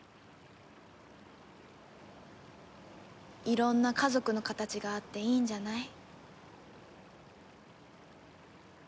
いろんな家族の形があっていいんじゃない？